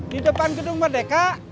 di depan gedung merdeka